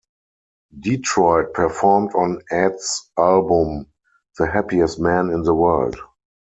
Detroit performed on Ed's album "The Happiest Man in the World".